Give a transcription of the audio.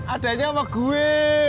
adanya sama gue